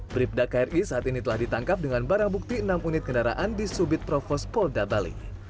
bribda kri saat ini telah ditangkap dengan barang bukti enam unit kendaraan di subit provos polda bali